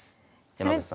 山口さん